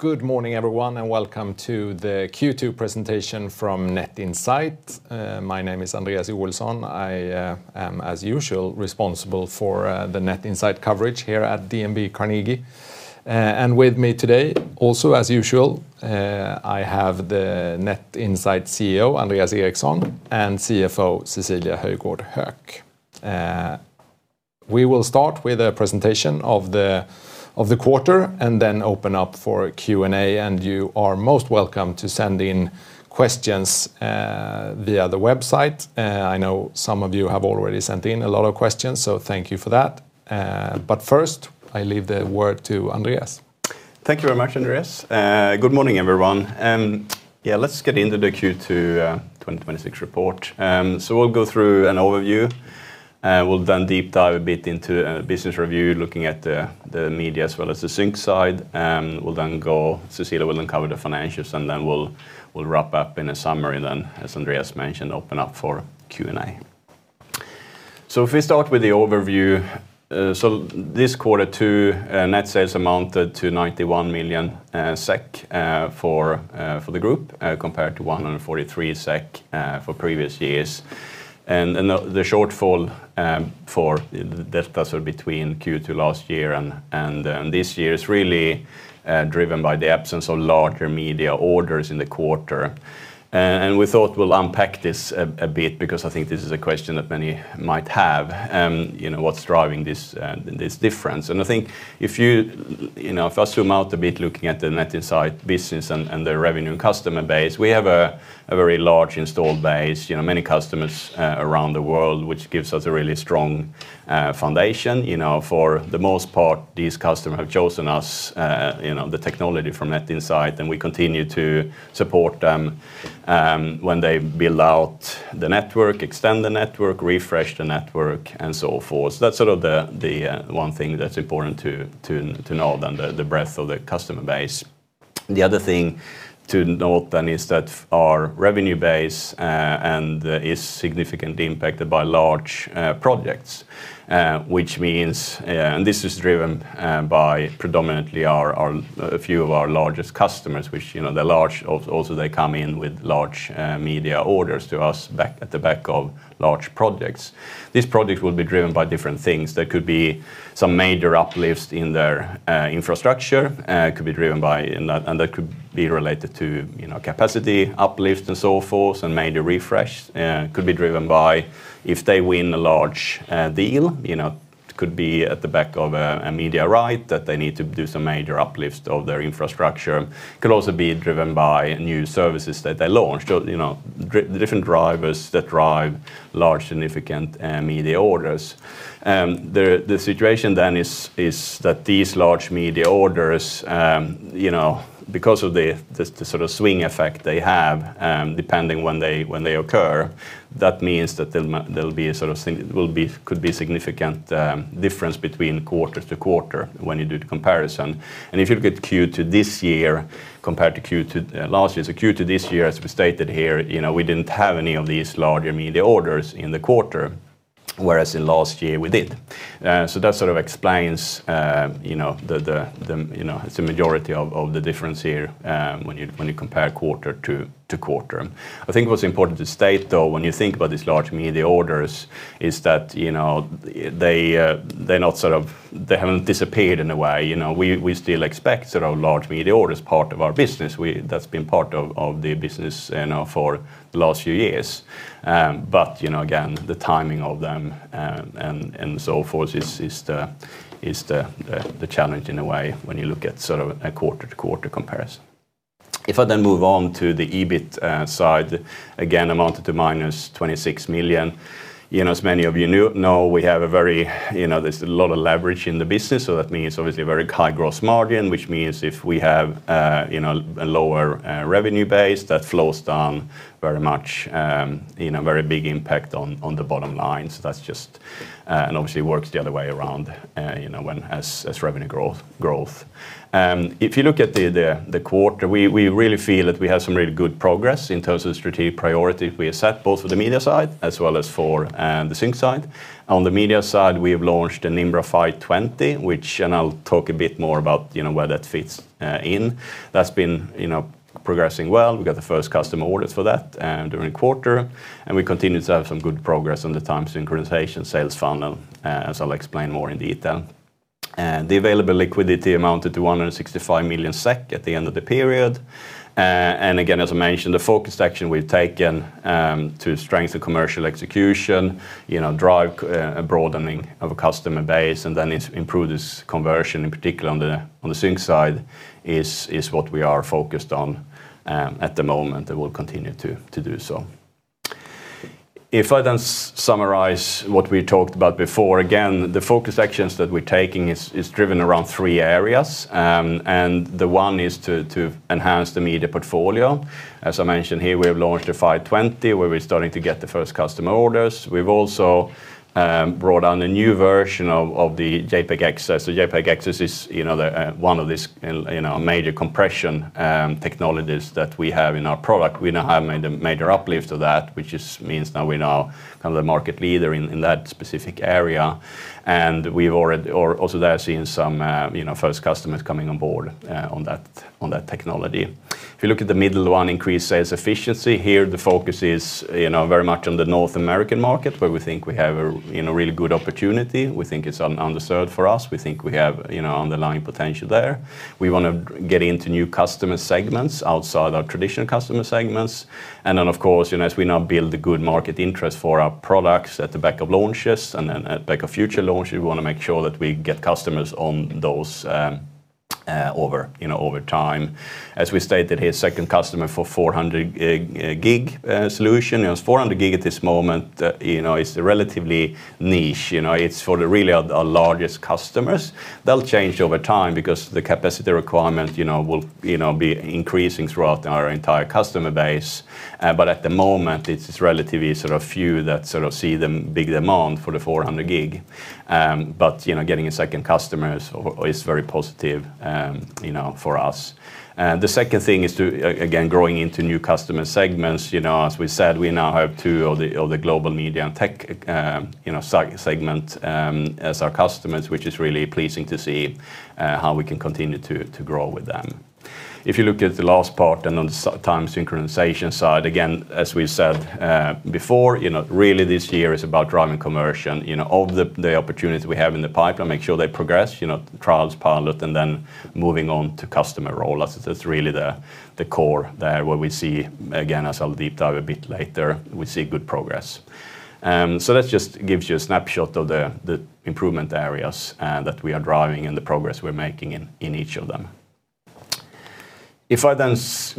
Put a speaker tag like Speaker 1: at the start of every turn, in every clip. Speaker 1: Good morning, everyone, and welcome to the Q2 presentation from Net Insight. My name is Andreas Joelsson. I am, as usual, responsible for the Net Insight coverage here at DNB Carnegie. With me today, also as usual, I have the Net Insight CEO, Andreas Eriksson, and CFO, Cecilia Höjgård Höök. We will start with a presentation of the quarter and then open up for a Q&A, you are most welcome to send in questions via the website. I know some of you have already sent in a lot of questions, thank you for that. First, I leave the word to Andreas.
Speaker 2: Thank you very much, Andreas. Good morning, everyone. Let's get into the Q2 2026 report. We'll go through an overview. We'll deep dive a bit into a business review, looking at the media as well as the sync side. Cecilia will cover the financials, we'll wrap up in a summary, as Andreas mentioned, open up for Q&A. If we start with the overview. This quarter two, net sales amounted to 91 million SEK for the group compared to 143 million SEK for previous years. The shortfall for the difference between Q2 last year and this year is really driven by the absence of larger media orders in the quarter. We thought we'll unpack this a bit because I think this is a question that many might have. What's driving this difference? I think if I zoom out a bit looking at the Net Insight business and the revenue and customer base, we have a very large installed base. Many customers around the world, which gives us a really strong foundation. For the most part, these customers have chosen us, the technology from Net Insight, and we continue to support them when they build out the network, extend the network, refresh the network, and so forth. That's the one thing that's important to know, the breadth of the customer base. The other thing to note is that our revenue base is significantly impacted by large projects. This is driven by predominantly a few of our largest customers, which they're large, also they come in with large media orders to us at the back of large projects. These projects will be driven by different things. There could be some major uplifts in their infrastructure, that could be related to capacity uplift and so forth, major refresh. Could be driven by if they win a large deal. Could be at the back of a media right that they need to do some major uplifts of their infrastructure. Could also be driven by new services that they launched. The different drivers that drive large significant media orders. The situation is that these large media orders, because of the sort of swing effect they have, depending when they occur, that means that there could be significant difference between quarter-to-quarter when you do the comparison. If you look at Q2 this year compared to Q2 last year, Q2 this year, as we stated here, we didn't have any of these large media orders in the quarter, whereas in last year we did. That sort of explains the majority of the difference here when you compare quarter-over-quarter. I think what's important to state, though, when you think about these large media orders is that they haven't disappeared in a way. We still expect large media orders part of our business. That's been part of the business for the last few years. Again, the timing of them and so forth is the challenge in a way when you look at a quarter-over-quarter comparison. If I move on to the EBIT side, again, amounted to -26 million. As many of you know, there's a lot of leverage in the business, so that means obviously a very high gross margin, which means if we have a lower revenue base, that flows down very much in a very big impact on the bottom line. Obviously works the other way around as revenue growth. If you look at the quarter, we really feel that we have some really good progress in terms of strategic priorities we have set both for the media side as well as for the sync side. On the media side, we have launched the Nimbra 520, and I'll talk a bit more about where that fits in. That's been progressing well. We got the first customer orders for that during the quarter, and we continue to have some good progress on the time synchronization sales funnel, as I'll explain more in detail. The available liquidity amounted to 165 million SEK at the end of the period. Again, as I mentioned, the focus action we've taken to strengthen commercial execution, drive a broadening of a customer base, and then improve this conversion, in particular on the sync side, is what we are focused on at the moment and will continue to do so. If I summarize what we talked about before, again, the focus actions that we're taking is driven around three areas. The one is to enhance the media portfolio. As I mentioned here, we have launched the 520, where we're starting to get the first customer orders. We've also brought on a new version of the JPEG XS. JPEG XS is one of these major compression technologies that we have in our product. We now have made a major uplift of that, which just means now we're now the market leader in that specific area. We've already, also there, seen some first customers coming on board on that technology. If you look at the middle one, increased sales efficiency. Here, the focus is very much on the North American market, where we think we have a really good opportunity. We think it's underserved for us. We think we have underlying potential there. We want to get into new customer segments outside our traditional customer segments. Then, of course, as we now build the good market interest for our products at the back of launches and then at back of future launches, we want to make sure that we get customers on those over time. As we stated here, second customer for 400G solution. As 400G at this moment, it's relatively niche. It's for really our largest customers. That'll change over time because the capacity requirement will be increasing throughout our entire customer base. At the moment, it's relatively few that see the big demand for the 400G. Getting a second customer is very positive for us. The second thing is to, again, growing into new customer segments. As we said, we now have two of the global media and tech segment as our customers, which is really pleasing to see how we can continue to grow with them. If you look at the last part, on the time synchronization side, again, as we said before, really this year is about driving conversion. All of the opportunities we have in the pipeline, make sure they progress, trials, pilot, and then moving on to customer roll-out. That's really the core there, what we see. As I'll deep dive a bit later, we see good progress. That just gives you a snapshot of the improvement areas that we are driving and the progress we're making in each of them. If I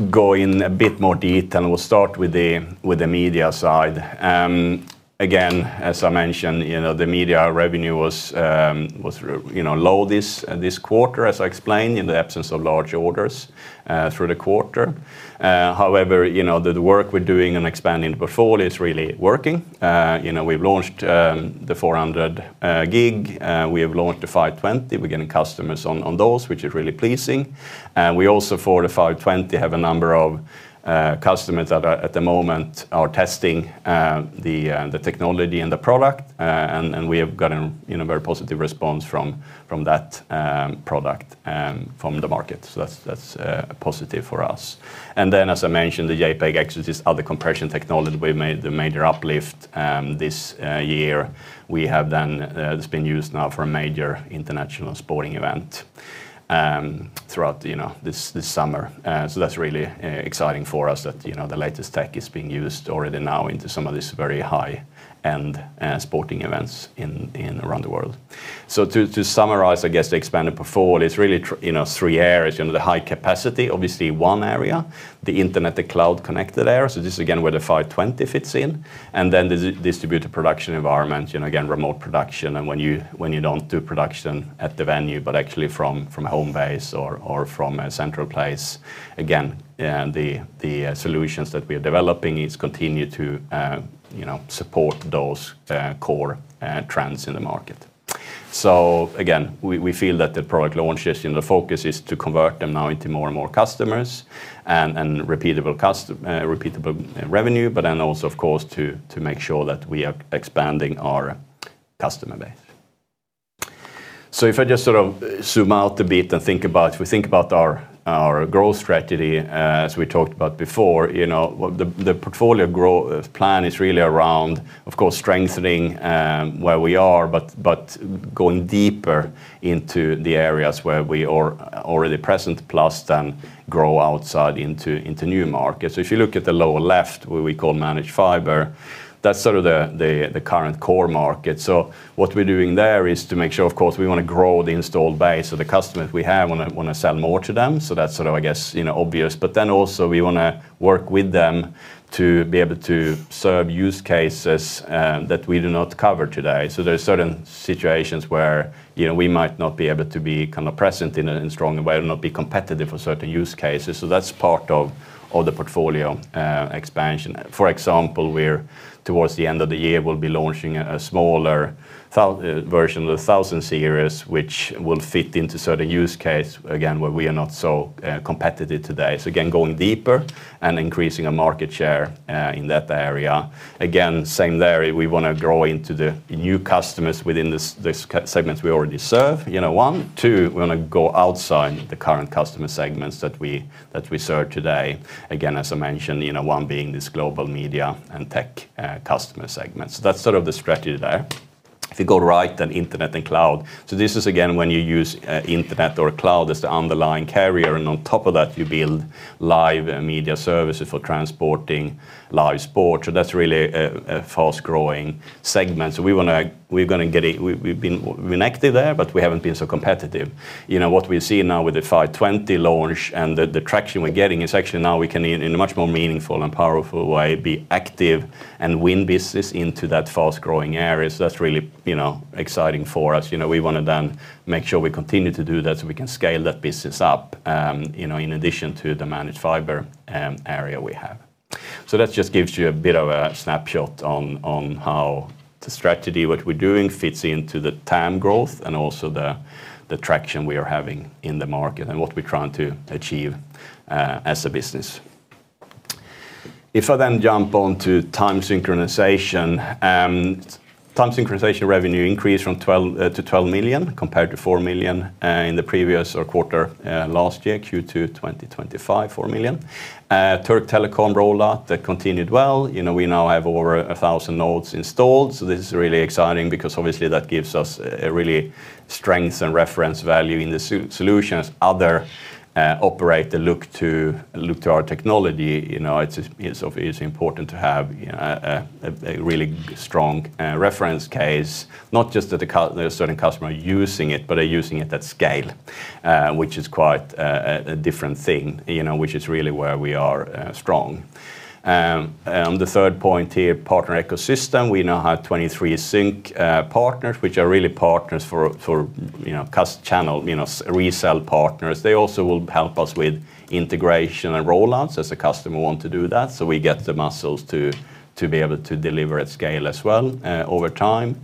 Speaker 2: go in a bit more detail, we'll start with the media side. As I mentioned, the media revenue was low this quarter, as I explained, in the absence of large orders through the quarter. However, the work we're doing in expanding the portfolio is really working. We've launched the 400G. We have launched the 520. We're getting customers on those, which is really pleasing. We also, for the 520, have a number of customers that at the moment are testing the technology and the product. We have gotten a very positive response from that product from the market. That's positive for us. As I mentioned, the JPEG XS is the other compression technology we've made the major uplift this year. It's been used now for a major international sporting event throughout this summer. That's really exciting for us that the latest tech is being used already now into some of these very high-end sporting events around the world. To summarize, I guess, the expanded portfolio, it's really three areas. The high capacity, obviously one area. The internet and cloud connected area. This is again where the 520 fits in. The distributed production environment, again, remote production and when you don't do production at the venue, but actually from home base or from a central place. The solutions that we are developing continue to support those core trends in the market. We feel that the product launches, the focus is to convert them now into more and more customers and repeatable revenue, also, of course, to make sure that we are expanding our customer base. If I just zoom out a bit and if we think about our growth strategy, as we talked about before, the portfolio plan is really around, of course, strengthening where we are, going deeper into the areas where we are already present, plus grow outside into new markets. If you look at the lower left, what we call managed fiber, that's the current core market. What we're doing there is to make sure, of course, we want to grow the installed base. The customers we have, want to sell more to them. That's, I guess, obvious. Also we want to work with them to be able to serve use cases that we do not cover today. There are certain situations where we might not be able to be present in a strong way or not be competitive for certain use cases. That's part of the portfolio expansion. For example, towards the end of the year, we'll be launching a smaller version of the 1000 Series, which will fit into certain use case, again, where we are not so competitive today. Again, going deeper and increasing our market share in that area. Same there. We want to grow into the new customers within the segments we already serve, one. We want to go outside the current customer segments that we serve today. As I mentioned, one being this global media and tech customer segment. That's sort of the strategy there. If you go right, internet and cloud. This is, again, when you use internet or cloud as the underlying carrier, and on top of that, you build live media services for transporting live sports. That's really a fast-growing segment. We've been active there, but we haven't been so competitive. What we see now with the 520 launch and the traction we're getting is actually now we can, in a much more meaningful and powerful way, be active and win business into that fast-growing area. That's really exciting for us. We want to then make sure we continue to do that so we can scale that business up in addition to the managed fiber area we have. That just gives you a bit of a snapshot on how the strategy, what we're doing fits into the TAM growth and also the traction we are having in the market and what we're trying to achieve as a business. If I jump onto time synchronization. Time synchronization revenue increased to 12 million compared to 4 million in the previous quarter last year, Q2 2025, 4 million. Türk Telekom rollout, that continued well. We now have over 1,000 nodes installed. This is really exciting because obviously that gives us a really strength and reference value in the solutions other operator look to our technology. It's important to have a really strong reference case, not just that a certain customer are using it, but are using it at scale which is quite a different thing, which is really where we are strong. The third point here, partner ecosystem. We now have 23 sync partners, which are really partners for channel resell partners. They also will help us with integration and rollouts as a customer want to do that. We get the muscles to be able to deliver at scale as well over time.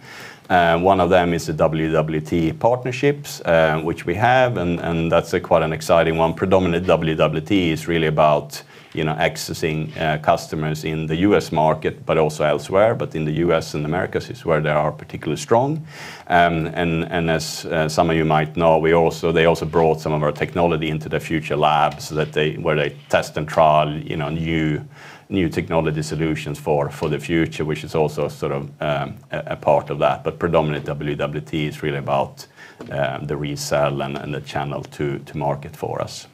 Speaker 2: One of them is the WWT partnerships, which we have, and that's quite an exciting one. Predominantly, WWT is really about accessing customers in the U.S. market but also elsewhere. In the U.S. and Americas is where they are particularly strong. As some of you might know, they also brought some of our technology into the future labs where they test and trial new technology solutions for the future, which is also sort of a part of that. Predominantly WWT is really about the resell and the channel to market for us.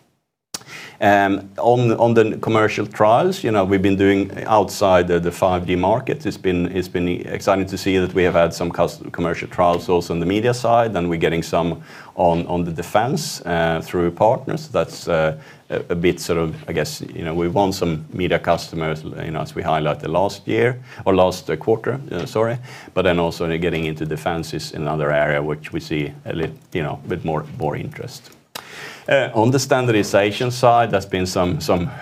Speaker 2: On the commercial trials, we've been doing outside the 5G market, it's been exciting to see that we have had some commercial trials also on the media side, then we're getting some on the defense through partners. That's a bit sort of, I guess, we want some media customers, as we highlighted last year or last quarter, sorry. Also getting into defense is another area which we see a bit more interest. On the standardization side, there's been some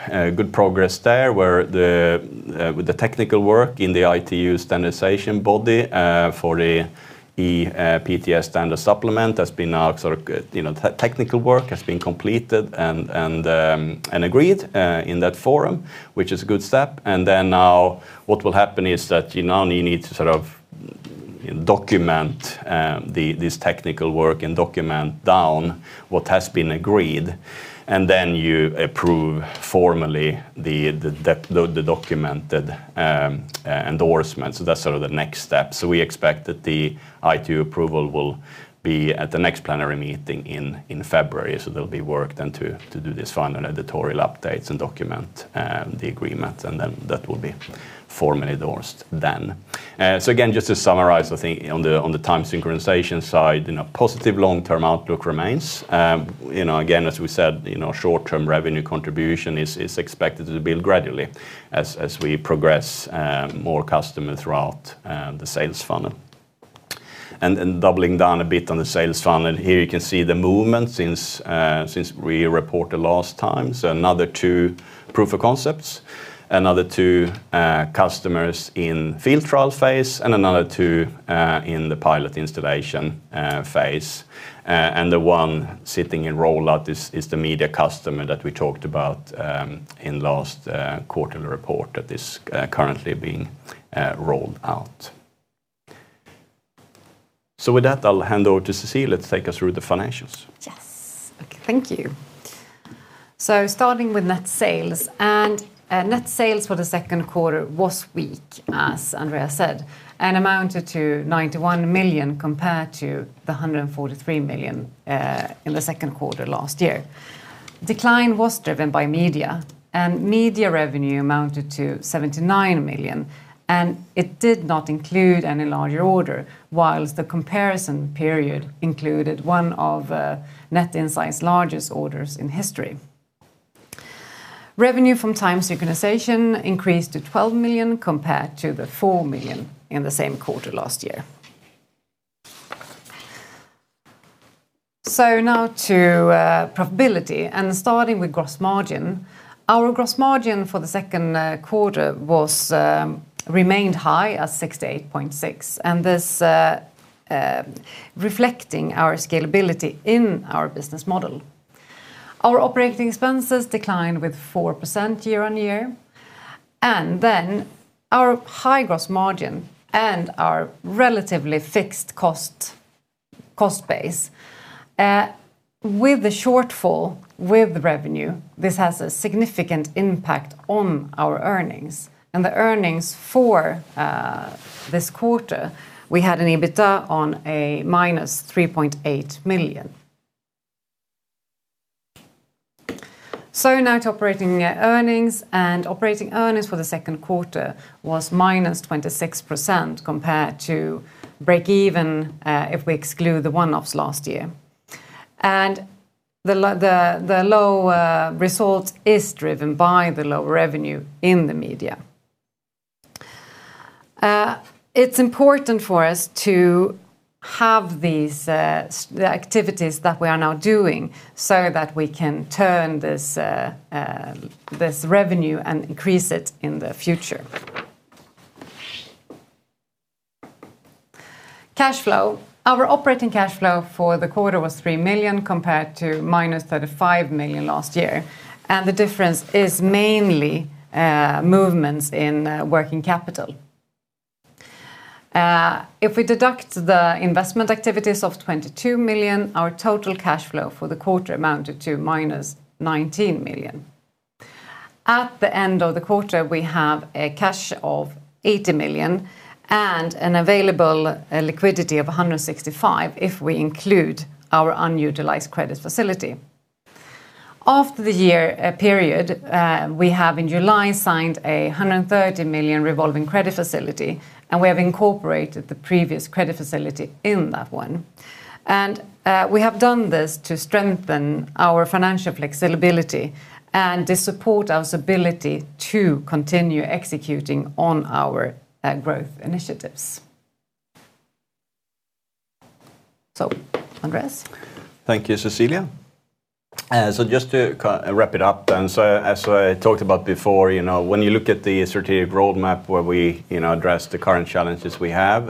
Speaker 2: good progress there with the technical work in the ITU standardization body for the ePTS standard supplement technical work has been completed and agreed in that forum, which is a good step. Now what will happen is that you now need to sort of document this technical work and document down what has been agreed, and then you approve formally the documented endorsement. That's sort of the next step. We expect that the ITU approval will be at the next plenary meeting in February. There'll be work then to do these final editorial updates and document the agreement, and then that will be formally endorsed then. Again, just to summarize, I think on the time synchronization side, a positive long-term outlook remains. Again, as we said, short-term revenue contribution is expected to build gradually as we progress more customers throughout the sales funnel. Doubling down a bit on the sales funnel. Here you can see the movement since we reported last time. Another two proof of concepts, another two customers in field trial phase, and another two in the pilot installation phase. The one sitting in rollout is the media customer that we talked about in last quarterly report that is currently being rolled out. With that, I'll hand over to Cecilia to take us through the financials.
Speaker 3: Yes. Okay, thank you. Starting with net sales. Net sales for the second quarter was weak, as Andreas said, and amounted to 91 million compared to the 143 million in the second quarter last year. Decline was driven by media, and media revenue amounted to 79 million, and it did not include any larger order, whilst the comparison period included one of Net Insight's largest orders in history. Revenue from time synchronization increased to 12 million compared to the 4 million in the same quarter last year. Now to profitability, and starting with gross margin. Our gross margin for the second quarter remained high at 68.6%, and this reflecting our scalability in our business model. Our operating expenses declined with 4% year-on-year. Our high gross margin and our relatively fixed cost base with the shortfall with revenue, this has a significant impact on our earnings. The earnings for this quarter, we had an EBITDA of SEK -3.8 million. Now to operating earnings. Operating earnings for the second quarter was -26% compared to break even if we exclude the one-offs last year. The low result is driven by the low revenue in the media. It's important for us to have these activities that we are now doing so that we can turn this revenue and increase it in the future. Cash flow. Our operating cash flow for the quarter was 3 million compared to -35 million last year, and the difference is mainly movements in working capital. If we deduct the investment activities of 22 million, our total cash flow for the quarter amounted to -19 million. At the end of the quarter, we have a cash of 80 million and an available liquidity of 165 million if we include our unutilized credit facility. After the year period, we have in July signed a 130 million revolving credit facility, and we have incorporated the previous credit facility in that one. We have done this to strengthen our financial flexibility and to support our ability to continue executing on our growth initiatives. Andreas?
Speaker 2: Thank you, Cecilia. Just to wrap it up then. As I talked about before, when you look at the strategic roadmap where we address the current challenges we have,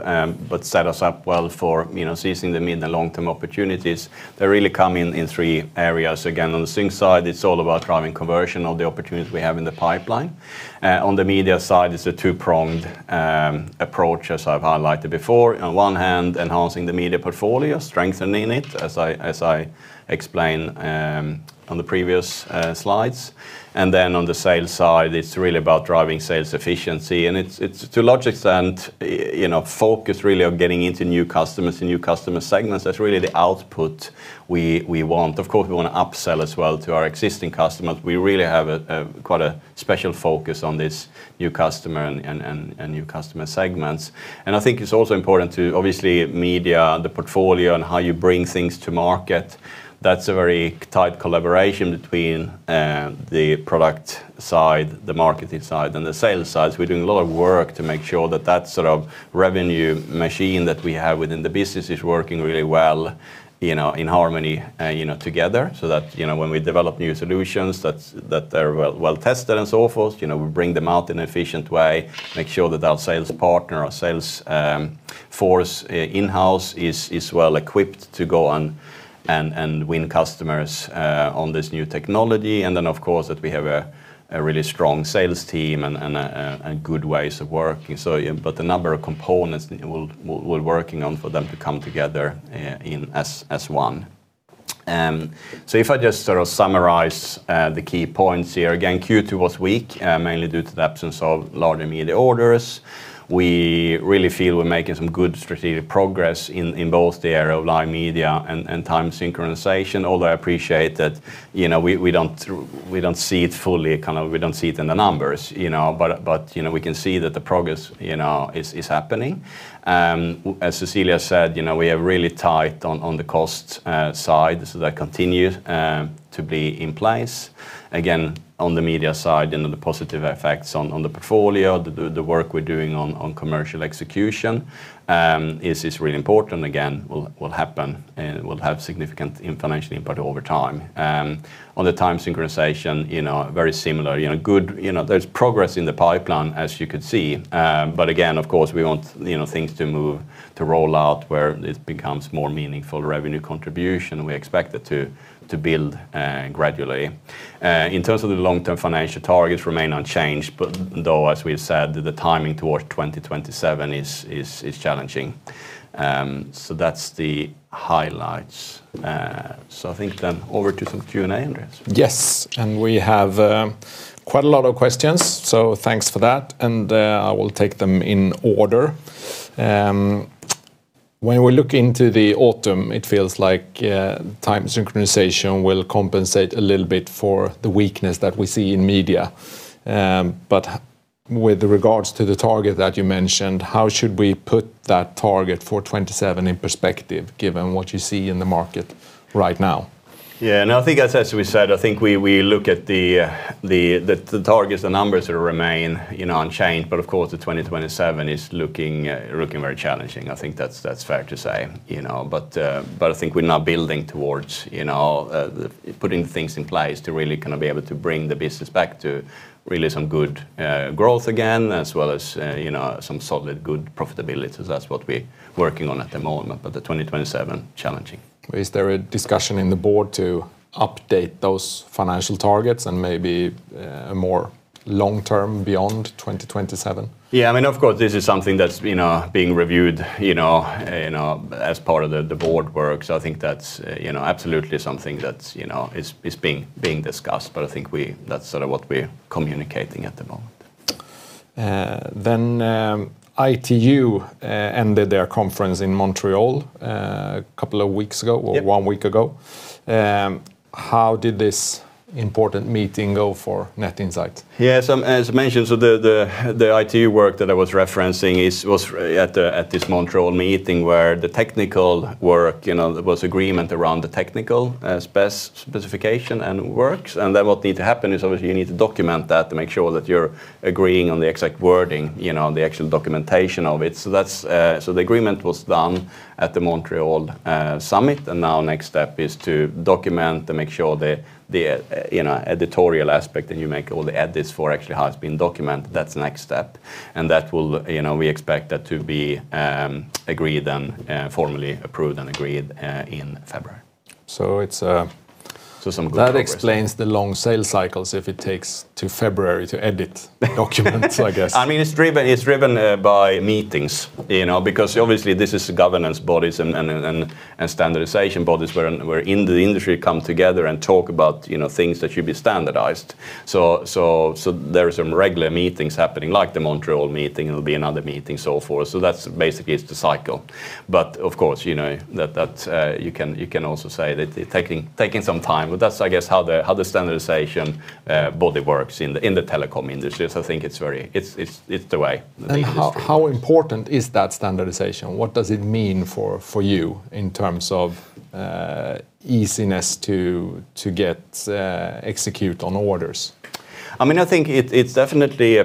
Speaker 2: but set us up well for seizing the medium and long-term opportunities, they really come in in three areas. Again, on the sync side, it's all about driving conversion of the opportunities we have in the pipeline. On the media side, it's a two-pronged approach, as I've highlighted before. On one hand, enhancing the media portfolio, strengthening it as I explained on the previous slides. On the sales side, it's really about driving sales efficiency, and it's to a large extent focused really on getting into new customers and new customer segments. That's really the output we want. Of course, we want to upsell as well to our existing customers. We really have quite a special focus on this new customer and new customer segments. I think it's also important to obviously media, the portfolio, and how you bring things to market. That's a very tight collaboration between the product side, the marketing side, and the sales side. We're doing a lot of work to make sure that that sort of revenue machine that we have within the business is working really well in harmony together, so that when we develop new solutions, that they're well tested and so forth. We bring them out in an efficient way, make sure that our sales partner, our sales force in-house is well equipped to go and win customers on this new technology. Then, of course, that we have a really strong sales team and good ways of working. A number of components we're working on for them to come together as one. If I just sort of summarize the key points here. Again, Q2 was weak, mainly due to the absence of large media orders. We really feel we're making some good strategic progress in both the area of live media and time synchronization, although I appreciate that we don't see it fully, we don't see it in the numbers. We can see that the progress is happening. As Cecilia said, we are really tight on the cost side, that continues to be in place. Again, on the media side, the positive effects on the portfolio, the work we're doing on commercial execution is really important. Again, will happen and will have significant financial impact over time. On the time synchronization, very similar. There's progress in the pipeline, as you could see. Again, of course, we want things to move, to roll out where it becomes more meaningful revenue contribution. We expect it to build gradually. In terms of the long-term financial targets remain unchanged, though, as we've said, the timing towards 2027 is challenging. That's the highlights. I think then over to some Q&A, Andreas.
Speaker 1: Yes, and we have quite a lot of questions, so thanks for that, and I will take them in order. When we look into the autumn, it feels like time synchronization will compensate a little bit for the weakness that we see in media. With regards to the target that you mentioned, how should we put that target for 2027 in perspective, given what you see in the market right now?
Speaker 2: I think as we said, I think we look at the targets, the numbers remain unchanged. Of course, the 2027 is looking very challenging. I think that's fair to say. I think we're now building towards putting things in place to really kind of be able to bring the business back to really some good growth again, as well as some solid, good profitability. That's what we're working on at the moment. The 2027, challenging.
Speaker 1: Is there a discussion in the board to update those financial targets and maybe a more long term beyond 2027?
Speaker 2: Yeah. Of course, this is something that's being reviewed as part of the board work. I think that's absolutely something that is being discussed. I think that's sort of what we're communicating at the moment.
Speaker 1: ITU ended their conference in Montreal a couple of weeks ago or one week ago.
Speaker 2: Yep.
Speaker 1: How did this important meeting go for Net Insight?
Speaker 2: As mentioned, the ITU work that I was referencing was at this Montreal meeting where there was agreement around the technical specification and works. What needs to happen is obviously you need to document that to make sure that you're agreeing on the exact wording, the actual documentation of it. The agreement was done at the Montreal summit, now next step is to document and make sure the editorial aspect, you make all the edits for actually how it's been documented. That's the next step. We expect that to be formally approved and agreed in February.
Speaker 1: So it's-
Speaker 2: Some good progress there.
Speaker 1: That explains the long sale cycles if it takes till February to edit documents, I guess.
Speaker 2: It's driven by meetings. Obviously this is governance bodies and standardization bodies where in the industry come together and talk about things that should be standardized. There are some regular meetings happening, like the Montreal meeting, there will be another meeting, so forth. That's basically it's the cycle. Of course, you can also say that it taking some time. That's, I guess, how the standardization body works in the telecom industry. I think it's the way the industry works.
Speaker 1: How important is that standardization? What does it mean for you in terms of easiness to execute on orders?
Speaker 2: I think it's definitely a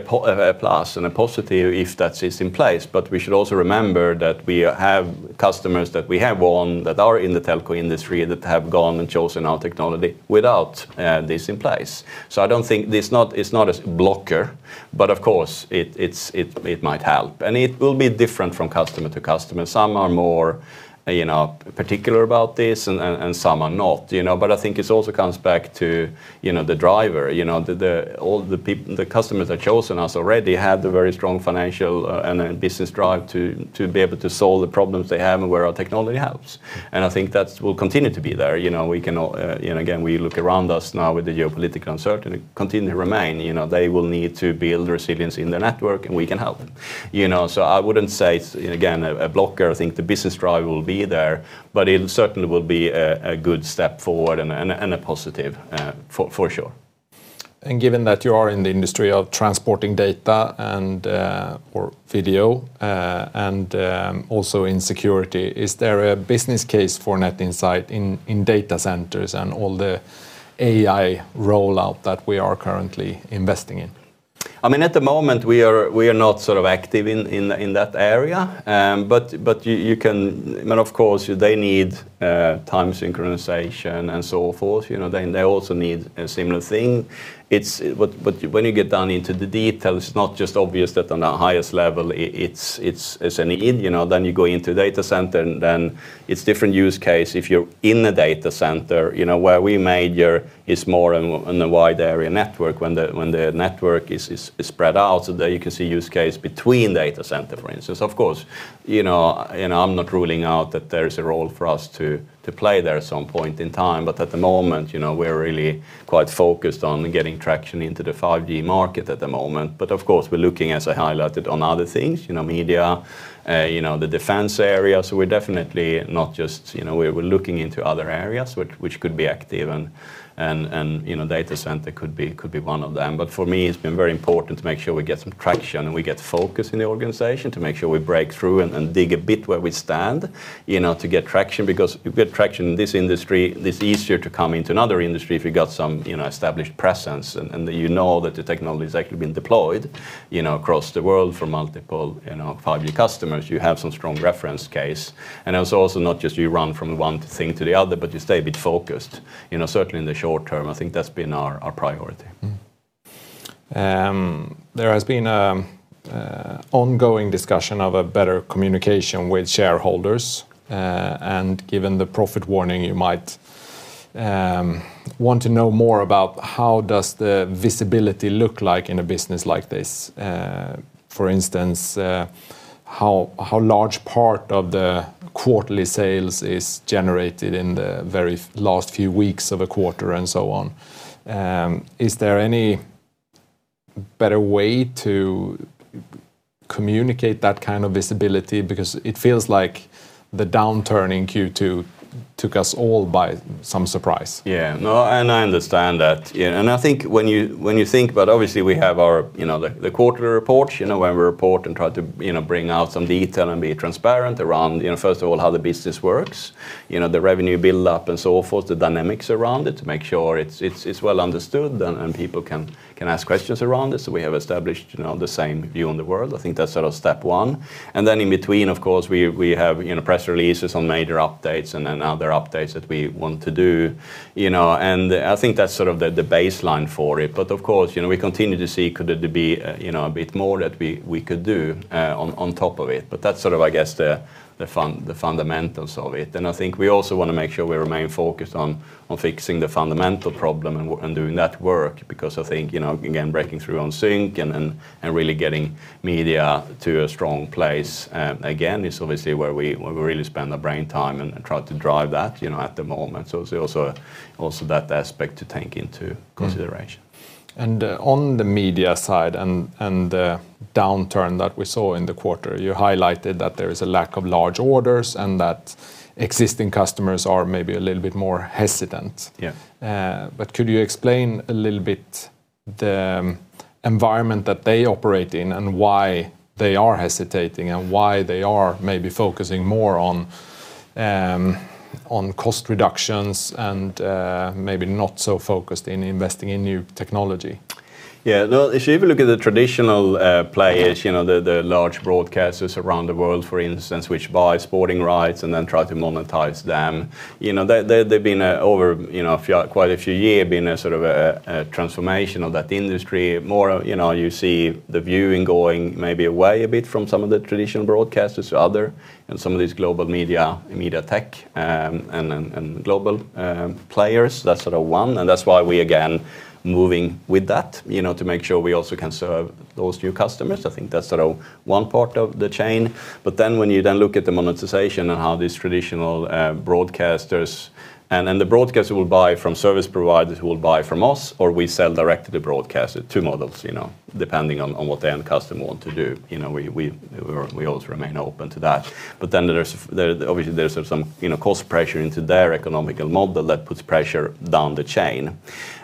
Speaker 2: plus and a positive if that is in place. We should also remember that we have customers that we have won that are in the telco industry that have gone and chosen our technology without this in place. It's not a blocker, but of course, it might help. It will be different from customer to customer. Some are more particular about this and some are not. I think it also comes back to the driver. All the customers that chosen us already have the very strong financial and business drive to be able to solve the problems they have and where our technology helps. I think that will continue to be there. Again, we look around us now with the geopolitical uncertainty continue to remain. They will need to build resilience in the network, and we can help them. I wouldn't say it's, again, a blocker. I think the business drive will be there, but it certainly will be a good step forward and a positive, for sure.
Speaker 1: Given that you are in the industry of transporting data or video, and also in security, is there a business case for Net Insight in data centers and all the AI rollout that we are currently investing in?
Speaker 2: At the moment, we are not sort of active in that area. Of course, they need time synchronization and so forth. They also need a similar thing. When you get down into the details, it's not just obvious that on the highest level it's a need. You go into data center, and then it's different use case if you're in the data center. Where we major is more in the wide area network, when the network is spread out. There you can see use case between data center, for instance. I'm not ruling out that there's a role for us to play there at some point in time, at the moment, we're really quite focused on getting traction into the 5G market at the moment. Of course, we're looking, as I highlighted, on other things, media, the defense area. We're definitely looking into other areas which could be active, and data center could be one of them. For me, it's been very important to make sure we get some traction, and we get focus in the organization to make sure we break through and dig a bit where we stand to get traction because you get traction in this industry, it's easier to come into another industry if you've got some established presence, and you know that the technology's actually been deployed across the world for multiple 5G customers. You have some strong reference case. It's also not just you run from one thing to the other, but you stay a bit focused. Certainly in the short term, I think that's been our priority.
Speaker 1: There has been ongoing discussion of a better communication with shareholders. Given the profit warning, you might want to know more about how does the visibility look like in a business like this. For instance, how large part of the quarterly sales is generated in the very last few weeks of a quarter and so on. Is there any better way to communicate that kind of visibility? Because it feels like the downturn in Q2 took us all by some surprise.
Speaker 2: Yeah. No, I understand that. I think when you think about, obviously, we have the quarterly reports, where we report and try to bring out some detail and be transparent around, first of all, how the business works. The revenue buildup and so forth, the dynamics around it to make sure it's well understood and people can ask questions around it. We have established the same view on the world. I think that's sort of step one. Then in between, of course, we have press releases on major updates and then other updates that we want to do. I think that's sort of the baseline for it. Of course, we continue to see could there be a bit more that we could do on top of it. That's sort of, I guess, the fundamentals of it. I think we also want to make sure we remain focused on fixing the fundamental problem and doing that work because I think, again, breaking through on sync and really getting media to a strong place, again, is obviously where we really spend the brain time and try to drive that, at the moment. Also that aspect to take into consideration.
Speaker 1: On the media side and the downturn that we saw in the quarter, you highlighted that there is a lack of large orders and that existing customers are maybe a little bit more hesitant.
Speaker 2: Yeah.
Speaker 1: Could you explain a little bit the environment that they operate in and why they are hesitating, and why they are maybe focusing more on cost reductions and maybe not so focused in investing in new technology.
Speaker 2: If you look at the traditional players, the large broadcasters around the world, for instance, which buy sporting rights and then try to monetize them. There have been, over quite a few years, a sort of a transformation of that industry. You see the viewing going maybe away a bit from some of the traditional broadcasters to other, and some of these global media tech and global players. That's one, and that's why we, again, moving with that to make sure we also can serve those new customers. I think that's one part of the chain. When you then look at the monetization and how these traditional broadcasters The broadcaster will buy from service providers who will buy from us, or we sell direct to the broadcaster. Two models, depending on what the end customer want to do. We always remain open to that. Obviously there's some cost pressure into their economical model that puts pressure down the chain.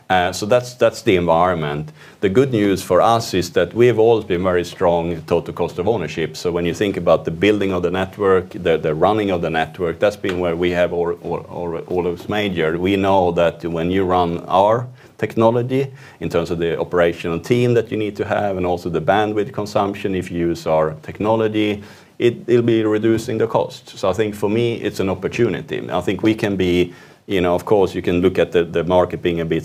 Speaker 2: That's the environment. The good news for us is that we've always been very strong in total cost of ownership. When you think about the building of the network, the running of the network, that's been where we have always majored. We know that when you run our technology, in terms of the operational team that you need to have and also the bandwidth consumption, if you use our technology, it'll be reducing the cost. I think for me, it's an opportunity. Of course, you can look at the market being a bit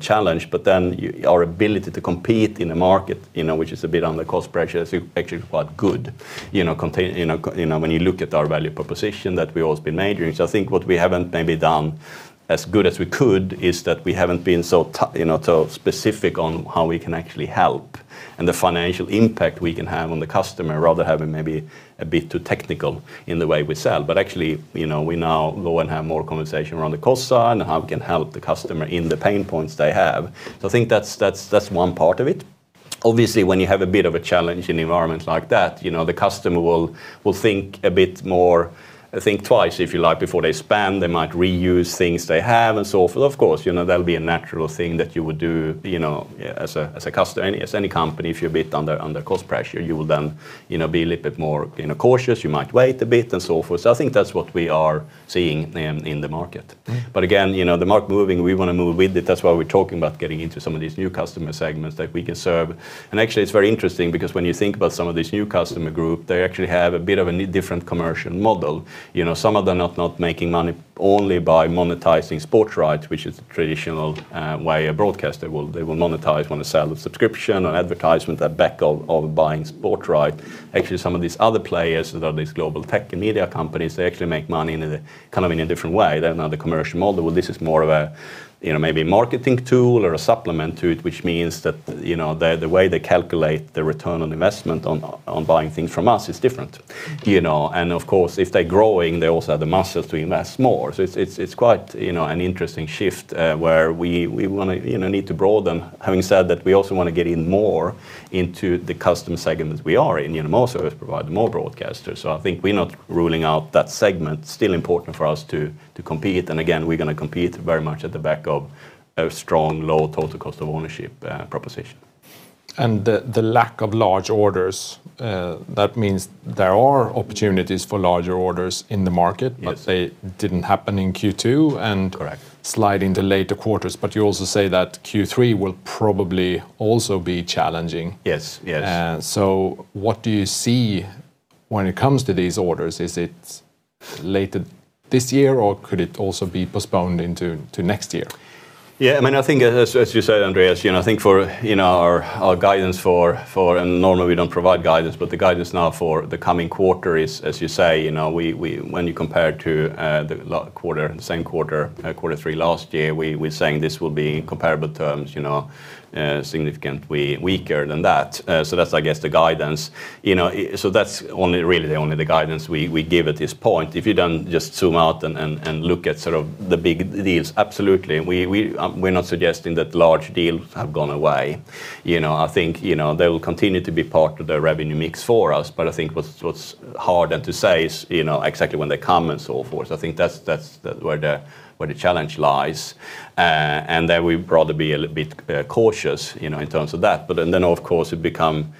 Speaker 2: challenged, but then our ability to compete in the market, which is a bit under cost pressure, is actually quite good when you look at our value proposition that we've always been majoring. I think what we haven't maybe done as good as we could is that we haven't been so specific on how we can actually help. The financial impact we can have on the customer, rather having maybe a bit too technical in the way we sell. Actually, we now go and have more conversation around the cost side and how we can help the customer in the pain points they have. I think that's one part of it. Obviously, when you have a bit of a challenge in an environment like that, the customer will think a bit more, think twice, if you like, before they spend. They might reuse things they have and so forth. Of course, that'll be a natural thing that you would do as a customer. As any company, if you're a bit under cost pressure, you will then be a little bit more cautious. You might wait a bit and so forth. I think that's what we are seeing in the market. Again, the market moving, we want to move with it. That's why we're talking about getting into some of these new customer segments that we can serve. Actually, it's very interesting because when you think about some of these new customer group, they actually have a bit of a different commercial model. Some of them not making money only by monetizing sports rights, which is the traditional way a broadcaster will monetize, want to sell a subscription or advertisement at back of buying sport right. Actually, some of these other players, lot of these global tech and media companies, they actually make money in a different way. They have another commercial model. This is more of a maybe marketing tool or a supplement to it, which means that the way they calculate the return on investment on buying things from us is different. Of course, if they're growing, they also have the muscles to invest more. It's quite an interesting shift, where we need to broaden. Having said that, we also want to get in more into the customer segments we are in, more service provider, more broadcasters. I think we're not ruling out that segment. Still important for us to compete, and again, we're going to compete very much at the back of a strong, low total cost of ownership proposition.
Speaker 1: The lack of large orders, that means there are opportunities for larger orders in the market.
Speaker 2: Yes.
Speaker 1: They didn't happen in Q2 and-
Speaker 2: Correct.
Speaker 1: slide into later quarters. You also say that Q3 will probably also be challenging.
Speaker 2: Yes.
Speaker 1: What do you see when it comes to these orders? Is it later this year, or could it also be postponed into next year?
Speaker 2: I think as you said, Andreas, I think for our guidance for, and normally we don't provide guidance, but the guidance now for the coming quarter is, as you say, when you compare to the same quarter three last year, we're saying this will be comparable terms, significantly weaker than that. That's, I guess, the guidance. That's really the only guidance we give at this point. If you then just zoom out and look at sort of the big deals, Absolutely. We're not suggesting that large deals have gone away. I think they will continue to be part of the revenue mix for us, but I think what's harder to say is exactly when they come and so forth. I think that's where the challenge lies. There we'd rather be a little bit cautious in terms of that. Of course, it become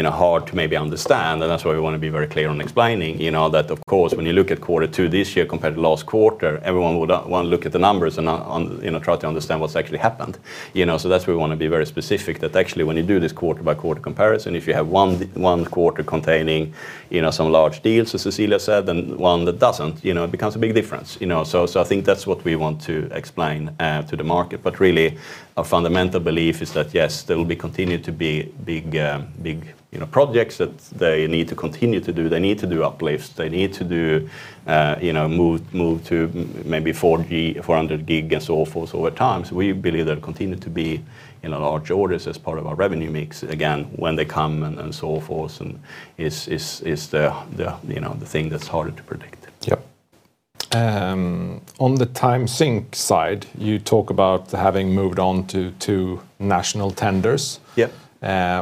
Speaker 2: hard to maybe understand, and that's why we want to be very clear on explaining that of course, when you look at quarter two this year compared to last quarter, everyone would want to look at the numbers and try to understand what's actually happened. That's why we want to be very specific, that actually when you do this quarter-by-quarter comparison, if you have one quarter containing some large deals, as Cecilia said, then one that doesn't, it becomes a big difference. I think that's what we want to explain to the market. Really our fundamental belief is that, yes, there will be continued to be big projects that they need to continue to do. They need to do uplifts. They need to move to maybe 400G and so forth over time. We believe there continue to be large orders as part of our revenue mix, again, when they come and so forth, and it's the thing that's harder to predict.
Speaker 1: Yep. On the time sync side, you talk about having moved on to two national tenders.
Speaker 2: Yep.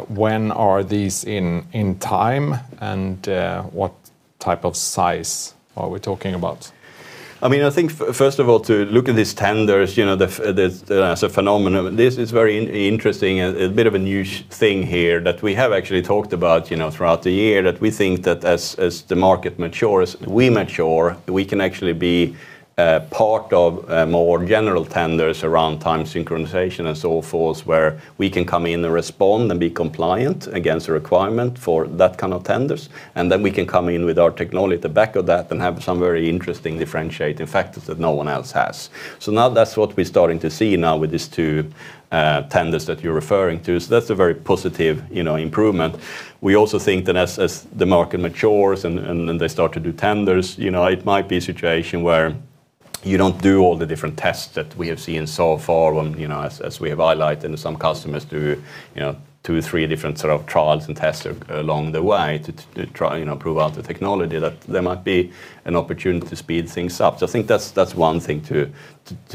Speaker 1: When are these in time, and what type of size are we talking about?
Speaker 2: I think first of all, to look at these tenders, as a phenomenon, this is very interesting and a bit of a new thing here that we have actually talked about throughout the year. We think that as the market matures, we mature, we can actually be a part of more general tenders around time synchronization and so forth, where we can come in and respond and be compliant against the requirement for that kind of tenders. Then we can come in with our technology at the back of that and have some very interesting differentiating factors that no one else has. Now that's what we're starting to see now with these two tenders that you're referring to. That's a very positive improvement. We also think that as the market matures and they start to do tenders, it might be a situation where you don't do all the different tests that we have seen so far, as we have highlighted, some customers do two or three different sort of trials and tests along the way to try and prove out the technology, that there might be an opportunity to speed things up. I think that's one thing to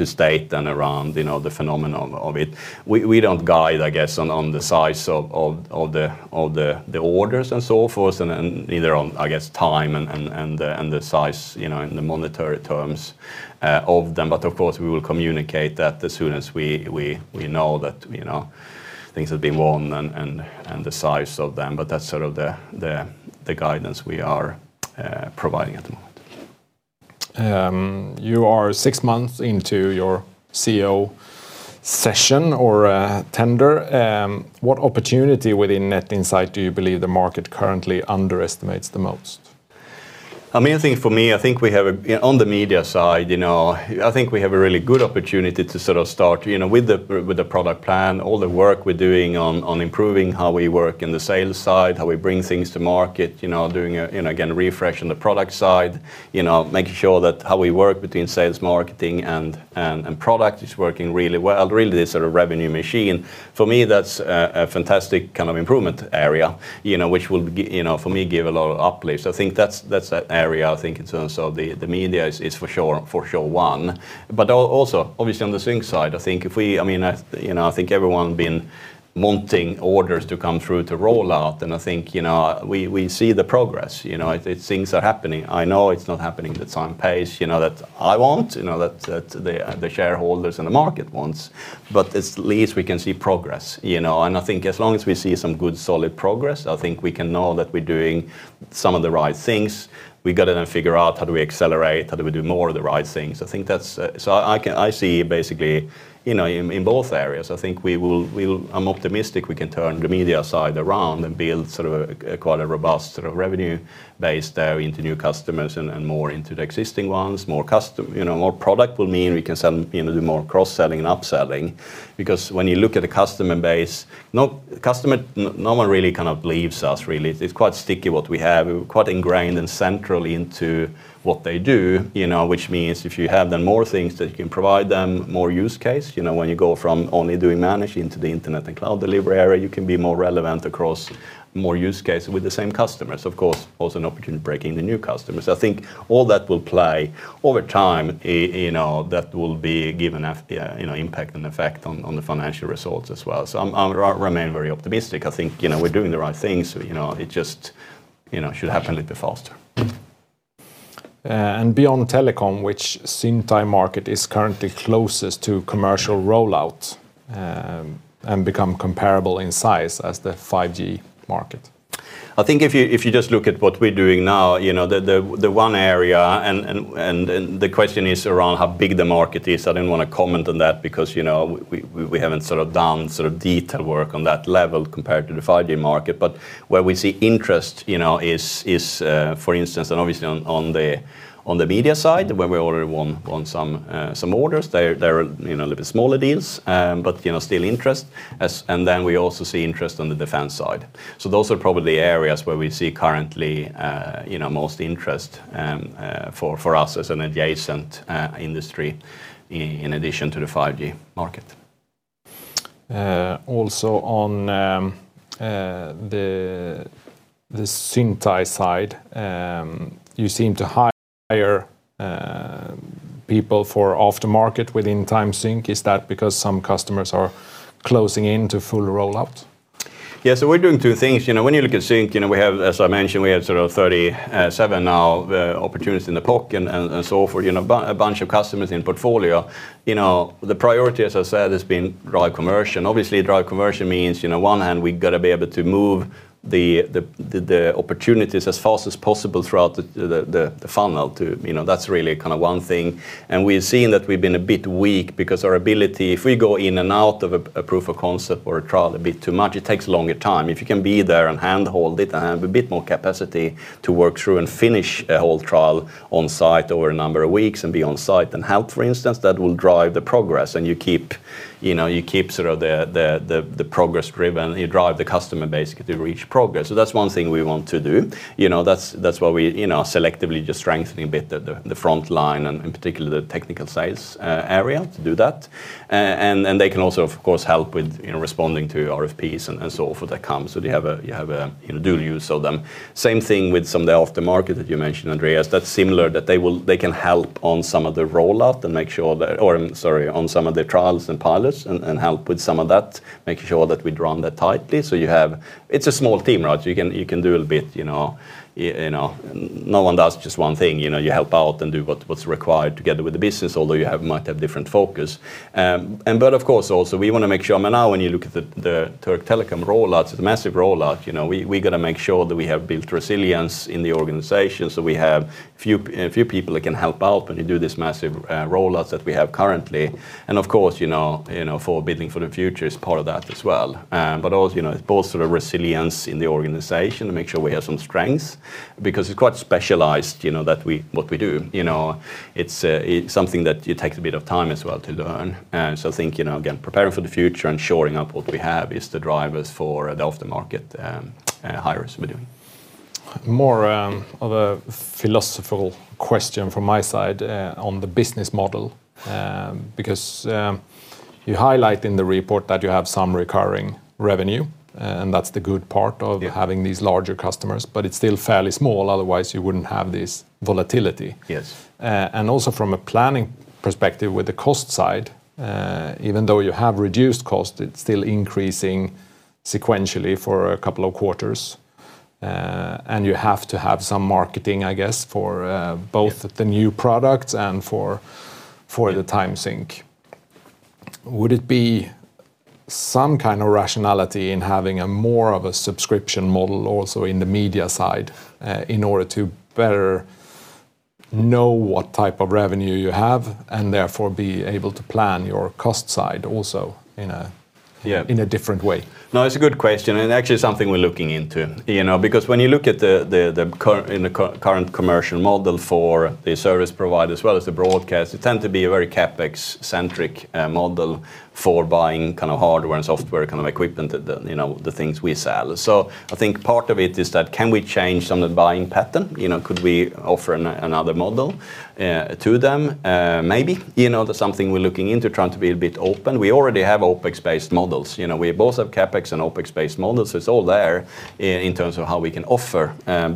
Speaker 2: state then around the phenomenon of it. We don't guide, I guess, on the size of all the orders and so forth, and either on, I guess, time and the size in the monetary terms of them. Of course, we will communicate that as soon as we know that things have been won and the size of them. That's sort of the guidance we are providing at the moment.
Speaker 1: You are six months into your CEO session or tender. What opportunity within Net Insight do you believe the market currently underestimates the most?
Speaker 2: I think for me, I think we have on the media side, I think we have a really good opportunity to sort of start with the product plan, all the work we're doing on improving how we work in the sales side, how we bring things to market, doing a refresh on the product side, making sure that how we work between sales, marketing, and product is working really well, really the sort of revenue machine. For me, that's a fantastic kind of improvement area, which will for me, give a lot of uplifts. I think that's that area. I think in terms of the media is for sure one. Also obviously on the sync side, I think everyone been wanting orders to come through to rollout, and I think we see the progress. Things are happening. I know it's not happening at the time pace that I want, that the shareholders and the market wants, but at least we can see progress. I think as long as we see some good, solid progress, I think we can know that we're doing some of the right things. We got to then figure out how do we accelerate, how do we do more of the right things. I see basically in both areas, I'm optimistic we can turn the media side around and build sort of a quite a robust sort of revenue base there into new customers and more into the existing ones. More product will mean we can do more cross-selling and upselling because when you look at a customer base, no one really kind of leaves us really. It's quite sticky what we have. We're quite ingrained and central into what they do, which means if you have then more things that you can provide them, more use case, when you go from only doing manage into the internet and cloud delivery area, you can be more relevant across more use case with the same customers. Of course, also an opportunity to break into new customers. I think all that will play over time that will be given impact and effect on the financial results as well. I remain very optimistic. I think we're doing the right things, it just should happen a little bit faster.
Speaker 1: Beyond telecom, which sync time market is currently closest to commercial rollout, and become comparable in size as the 5G market?
Speaker 2: I think if you just look at what we're doing now, the one area and the question is around how big the market is. I didn't want to comment on that because we haven't sort of done detail work on that level compared to the 5G market. Where we see interest is for instance, and obviously on the media side where we already won some orders. They're a little bit smaller deals, but still interest. We also see interest on the defense side. Those are probably areas where we see currently most interest for us as an adjacent industry in addition to the 5G market.
Speaker 1: Also on the sync time side, you seem to hire people for after market within time sync. Is that because some customers are closing in to full rollout?
Speaker 2: Yeah. We're doing two things. When you look at sync, as I mentioned, we have sort of 37 now opportunities in the pocket and so forth. A bunch of customers in portfolio. The priority, as I said, has been drive commercial. Obviously drive commercial means, one hand we've got to be able to move the opportunities as fast as possible throughout the funnel. That's really kind of one thing. We've seen that we've been a bit weak because our ability, if we go in and out of a proof of concept or a trial a bit too much, it takes a longer time. If you can be there and handhold it and have a bit more capacity to work through and finish a whole trial on site over a number of weeks and be on site and help, for instance, that will drive the progress and you keep sort of the progress driven. You drive the customer basically to reach progress. That's one thing we want to do. That's why we selectively just strengthening a bit the front line and in particular the technical sales area to do that. They can also, of course, help with responding to RFPs and so forth that comes. You have a dual use of them. Same thing with some of the off the market that you mentioned, Andreas, that's similar that they can help on some of the rollout and make sure that, or I'm sorry, on some of the trials and pilots and help with some of that, making sure that we run that tightly. It's a small team, right? You can do a bit, no one does just one thing. You help out and do what's required together with the business, although you might have different focus. Of course, also we want to make sure, I mean, now when you look at the Türk Telekom rollout, it's a massive rollout. We got to make sure that we have built resilience in the organization so we have a few people that can help out when you do these massive rollouts that we have currently. Of course, for building for the future is part of that as well. Also it's both sort of resilience in the organization to make sure we have some strengths because it's quite specialized what we do. It's something that it takes a bit of time as well to learn. Think again, preparing for the future and shoring up what we have is the drivers for the off the market hires we're doing.
Speaker 1: More of a philosophical question from my side on the business model, because you highlight in the report that you have some recurring revenue, and that's the good part of having these larger customers, but it's still fairly small, otherwise you wouldn't have this volatility.
Speaker 2: Yes.
Speaker 1: Also from a planning perspective with the cost side, even though you have reduced cost, it's still increasing sequentially for a couple of quarters. You have to have some marketing, I guess, for both the new products and for the time sync. Would it be some kind of rationality in having a more of a subscription model also in the media side, in order to better know what type of revenue you have and therefore be able to plan your cost side also in a different way?
Speaker 2: No, it's a good question, and actually something we're looking into. When you look in the current commercial model for the service provider as well as the broadcast, it tend to be a very CapEx-centric model for buying hardware and software equipment, the things we sell. I think part of it is that can we change some of the buying pattern, could we offer another model to them? Maybe. That's something we're looking into, trying to be a bit open. We already have OpEx-based models. We both have CapEx and OpEx-based models, it's all there in terms of how we can offer.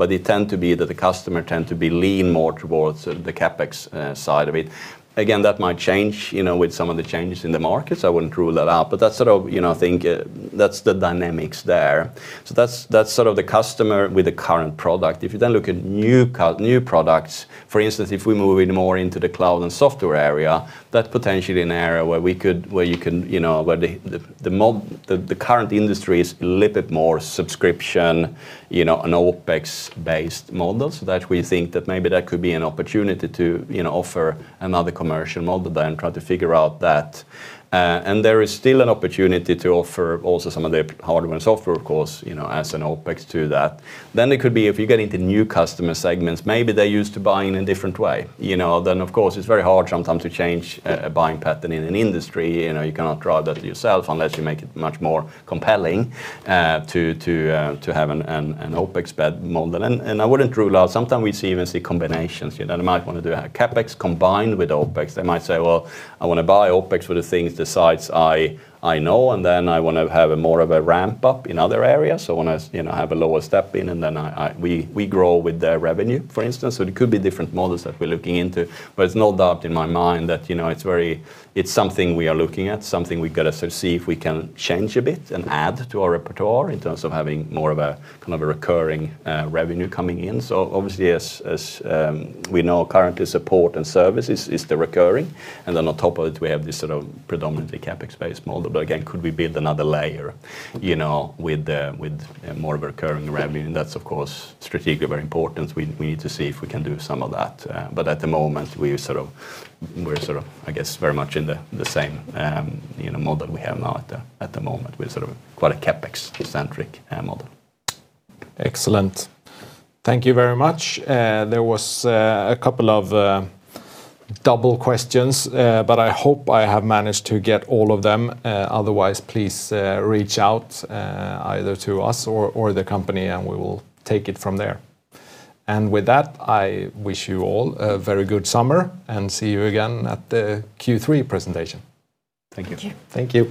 Speaker 2: The customer tend to lean more towards the CapEx side of it. That might change, with some of the changes in the markets, I wouldn't rule that out. I think that's the dynamics there. That's the customer with the current product. If you look at new products, for instance, if we move in more into the cloud and software area, that's potentially an area where the current industry is a little bit more subscription, an OpEx-based model, so that we think that maybe that could be an opportunity to offer another commercial model there and try to figure out that. There is still an opportunity to offer also some of the hardware and software, of course, as an OpEx to that. It could be, if you get into new customer segments, maybe they're used to buying in a different way. Of course it's very hard sometimes to change a buying pattern in an industry. You cannot drive that yourself unless you make it much more compelling to have an OpEx-based model. I wouldn't rule out, sometimes we even see combinations. They might want to do a CapEx combined with OpEx. They might say, well, I want to buy OpEx for the things, the sites I know, and then I want to have a more of a ramp-up in other areas. So I want to have a lower step in, and then we grow with their revenue, for instance. It could be different models that we're looking into. There's no doubt in my mind that it's something we are looking at, something we've got to sort of see if we can change a bit and add to our repertoire in terms of having more of a recurring revenue coming in. Obviously, as we know currently, support and service is the recurring. Then on top of it, we have this predominantly CapEx-based model. Again, could we build another layer with more of a recurring revenue? That's of course strategically very important. We need to see if we can do some of that. At the moment, we're very much in the same model we have now at the moment. We're quite a CapEx-centric model.
Speaker 1: Excellent. Thank you very much. There was a couple of double questions, but I hope I have managed to get all of them. Otherwise, please reach out either to us or the company and we will take it from there. With that, I wish you all a very good summer and see you again at the Q3 presentation.
Speaker 2: Thank you.
Speaker 1: Thank you.